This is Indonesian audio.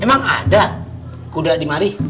emang ada kuda di mari